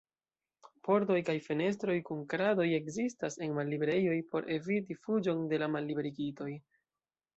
Pordoj kaj fenestroj kun kradoj ekzistas en malliberejoj por eviti fuĝon de la malliberigitoj.